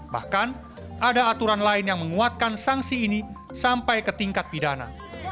bahkan ada aturan lain yang menguatkan sanksi ini sampai ke tingkat pidana